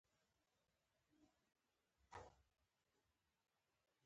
دوی تراوسه د جګړې د بندولو قابل نه دي، ځواک یې نشته.